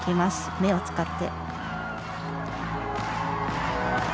目を使って。